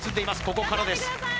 ここからです